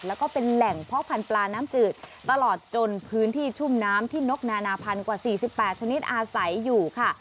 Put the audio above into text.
แล้วก็เป็นแหล่งเพาะพันธุปลาน้ำจืดตลอดจนพื้นที่ชุ่มน้ำที่นกนานาพันธุ์กว่า๔๘ชนิดอาศัยอยู่ค่ะ